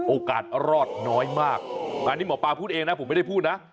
โอกาสรอดน้อยมากอันนี้หมอปลาพูดเองนะผมไม่ได้พูดนะ